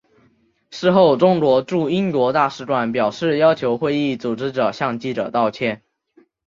事后中国驻英国大使馆表示要求会议组织者向记者道歉。